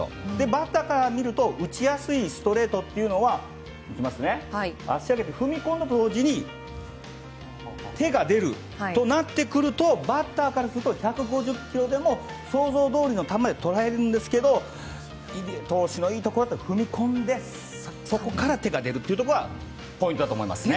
バッターから見ると打ちやすいストレートというのは足を上げて、踏み込むと同時に手が出るとなってくるとバッターからすると１５０キロでも想像どおりの球で捉えるんですけれども入江投手のいいところは踏み込んでそこから手が出るというところがポイントだと思いますね。